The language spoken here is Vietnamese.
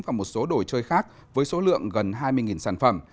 và một số đồ chơi khác với số lượng gần hai mươi sản phẩm